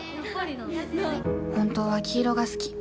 本当は黄色が好き。